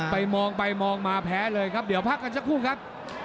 ไปมองไปมองมาแพ้เลยครับเดี๋ยวพักกันสักครู่ครับ